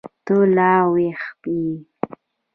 ته لا ويښه يې.